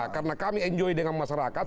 karena kami enjoy dengan masyarakat